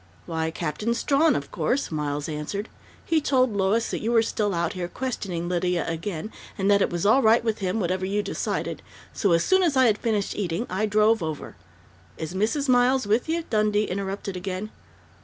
"Why, Captain Strawn, of course," Miles answered. "He told Lois that you were still out here, questioning Lydia again, and that it was all right with him, whatever you decided. So as soon as I had finished eating, I drove over " "Is Mrs. Miles with you?" Dundee interrupted again.